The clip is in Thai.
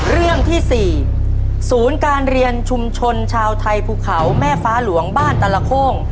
เรื่องที่๔ศูนย์การเรียนชุมชนชาวไทยภูเขาแม่ฟ้าหลวงบ้านตลโค่ง